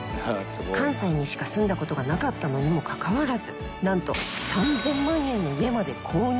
関西にしか住んだことがなかったのにもかかわらずなんと３，０００万円の家まで購入！